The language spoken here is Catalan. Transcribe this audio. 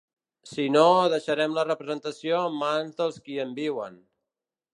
Si no, deixarem la representació en mans dels qui en viuen.